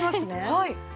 はい。